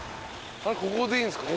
ここでいいんすか？